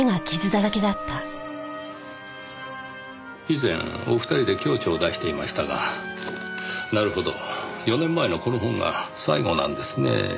以前お二人で共著を出していましたがなるほど４年前のこの本が最後なんですねぇ。